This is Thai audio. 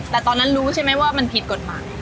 แต่ตอนนั้นรู้ใช่ไหมว่ามันผิดกฎหมาย